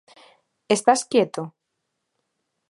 Estás quieto?